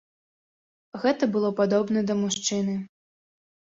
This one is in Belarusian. Гэта было падобна да мужчыны.